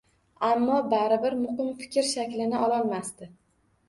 Aammo baribir muqim fikr shaklini ololmasdi.